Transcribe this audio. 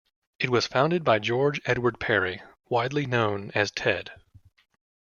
It was founded by George Edward Perry, widely known as "Ted".